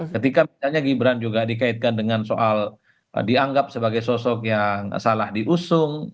ketika misalnya gibran juga dikaitkan dengan soal dianggap sebagai sosok yang salah diusung